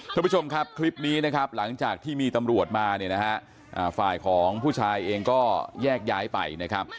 คุณผู้ชมครับคลิปนี้นะครับหลังจากที่มีตำรวจมาเนี่ยนะฮะฝ่ายของผู้ชายเองก็แยกย้ายไปนะครับ